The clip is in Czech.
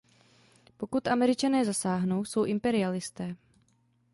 Pokud Američané zasáhnou, jsou imperialisté.